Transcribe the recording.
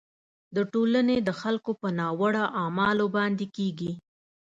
د ټولنې د خلکو په ناوړه اعمالو باندې کیږي.